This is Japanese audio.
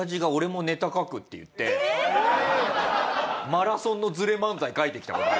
マラソンのズレ漫才書いてきたもんね。